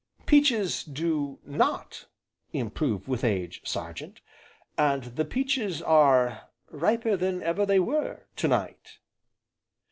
"Peaches do not improve with age, Sergeant, 'and the peaches are riper than ever they were, to night!'"